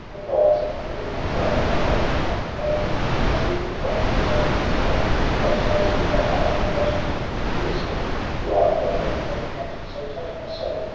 But rise, and be not wroth ! not wroth am I ; I02 SOHRAB AND RUSTUM. No, when I see thee, wrath forsakes my soul. Thou say'st, thou art not Rustum ; be it so ! Who art thou then, that canst so touch my soul?